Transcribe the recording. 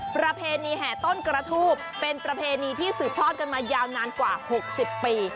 ประเพณีแห่ต้นกระทูบเป็นประเพณีที่สืบทอดกันมายาวนานกว่า๖๐ปี